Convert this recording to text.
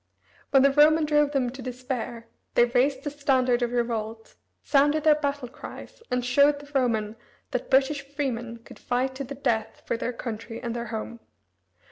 When the Roman drove them to despair they raised the standard of revolt, sounded their battle cries, and showed the Roman that British freemen could fight to the death for their country and their home.